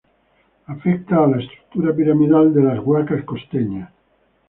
Afecta la estructura piramidal de las huacas costeñas.